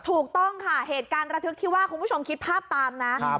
ถูกต้องค่ะเหตุการณ์ระทึกที่ว่าคุณผู้ชมคิดภาพตามนะ